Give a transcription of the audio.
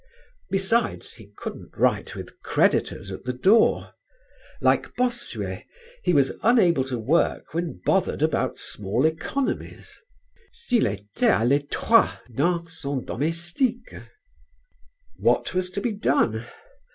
Besides, he couldn't write with creditors at the door. Like Bossuet he was unable to work when bothered about small economies: s'il était à l'étroit dans son domestique. What was to be done?